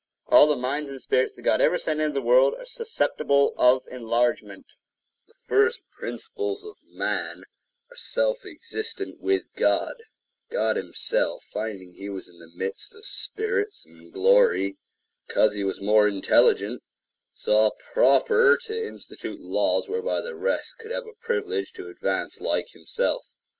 All the minds and spirits that God ever sent into the world are susceptible of enlargement. The Power to Advance in Knowledge[edit] The first principles of man are self existent with God. God himself, finding he was in the midst of spirits and glory, because he was more intelligent, saw proper to institute laws whereby the rest could have a privilege to advance like himself.